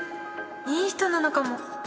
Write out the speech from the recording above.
いい人なのかも。